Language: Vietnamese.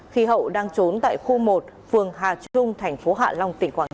khi hậu đang trốn tại khu một phường hà trung thành phố hạ long tỉnh quảng nam